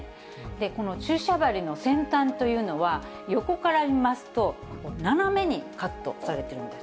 この注射針の先端というのは、横から見ますと、斜めにカットされているんです。